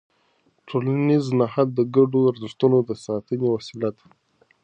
ټولنیز نهاد د ګډو ارزښتونو د ساتنې وسیله ده.